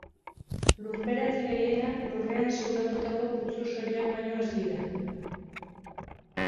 Lurperatze gehienak, lurrean zulatutako putzu soilak baino ez dira.